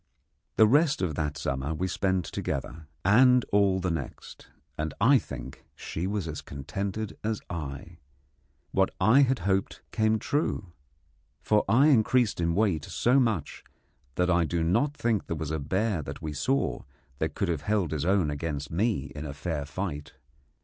The rest of that summer we spent together, and all the next, and I think she was as contented as I. What I had hoped came true, for I increased in weight so much that I do not think there was a bear that we saw that could have held his own against me in fair fight.